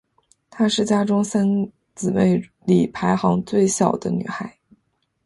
她是家中三姊妹里排行最小的女孩。